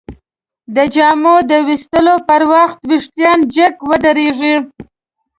د جامو د ویستلو پر وخت وېښتان جګ ودریږي.